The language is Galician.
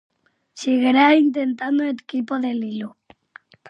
Seguirá intentándoo o equipo de lilo.